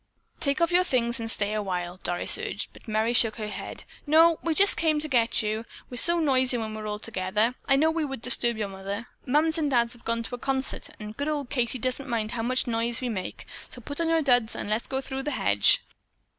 "Take off your things and stay a while," Doris urged, but Merry shook her head. "No, we just came to get you. We're so noisy when we're all together, I know we would disturb your mother. Mums and Dad have gone to a concert and good old Katie doesn't mind how much noise we make, so put on your duds and let's go through the hedge.